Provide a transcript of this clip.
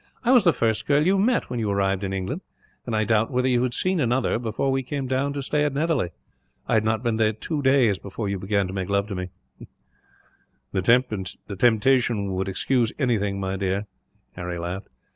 I was the first girl you met, when you arrived in England; and I doubt whether you had seen another, before we came down to stay at Netherly. I had not been there two days before you began to make love to me." "The temptation would excuse anything, my dear," Harry laughed.